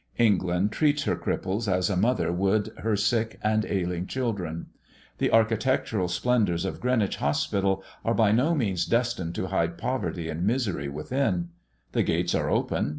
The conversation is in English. England treats her cripples as a mother would her sick and ailing children. The architectural splendours of Greenwich Hospital are by no means destined to hide poverty and misery within. The gates are open.